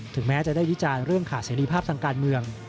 แม้จะได้วิจารณ์เรื่องขาดเสรีภาพทางการเมือง